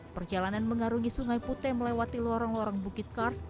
perjalanan mengarungi sungai putih melewati lorong lorong bukit kars